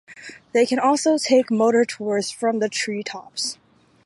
They can also take motor tours from the Treetops.